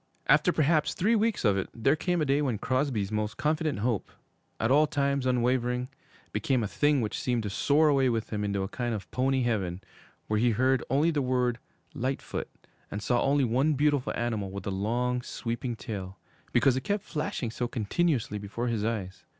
After perhaps three weeks of it, there came a day when Crosby's most confident hope, at all times unwavering, became a thing which seemed to soar away with him into a kind of pony heaven, where he heard only the word 'Lightfoot,' and saw only one beautiful animal with a long, sweeping tail, because it kept flashing so continuously before his eyes.